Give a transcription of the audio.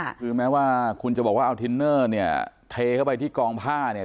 คือแม้ว่าคุณจะบอกว่าเอาทินเนอร์เนี่ยเทเข้าไปที่กองผ้าเนี่ย